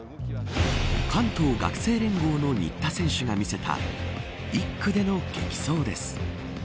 関東学生連合の新田選手が見せた１区での激走です。